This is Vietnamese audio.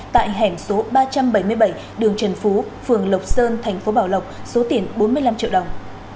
tại hẻm số ba trăm bảy mươi bảy đường trần phú phường lộc sơn thành phố bảo lộc số tiền bốn mươi năm triệu đồng